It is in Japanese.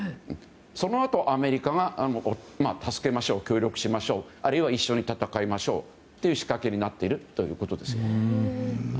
そのあと、アメリカが助けましょう、協力しましょうあるいは一緒に戦いましょうという仕掛けになっているということです。